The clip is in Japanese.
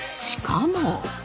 しかも。